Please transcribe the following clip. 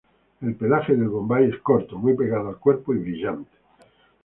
El pelaje del Bombay es corto, muy pegado al cuerpo y brillante.